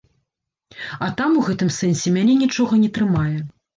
А там у гэтым сэнсе мяне нічога не трымае.